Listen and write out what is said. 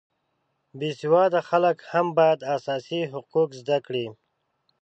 بې سواده خلک هم باید اساسي حقوق زده کړي